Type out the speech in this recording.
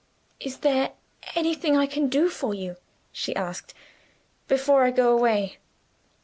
"Is there anything I can do for you," she asked, "before I go away?